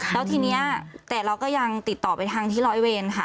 แล้วทีนี้แต่เราก็ยังติดต่อไปทางที่ร้อยเวรค่ะ